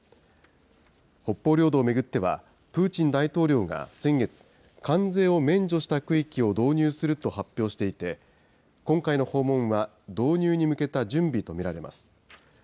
北方領土を巡っては、プーチン大統領が先月、関税を免除した区域を導入すると発表していて、今回の訪問は導入に向けた準備と見られます。